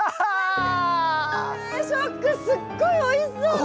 すっごいおいしそうな。